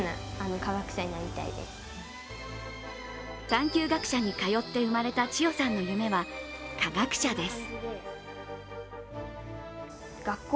探求学舎に通って生まれた知世さんの夢は、科学者です。